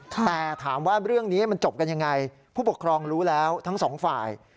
แต่ถามว่าเรื่องนี้มันจบกันยังไงผู้ปกครองรู้แล้วทั้งสองฝ่าย